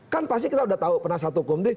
kan pasti kita udah tahu penasihat hukum